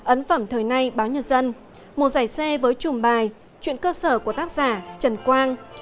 ấn phẩm thời nay báo nhân dân một giải c với chùm bài chuyện cơ sở của tác giả trần quang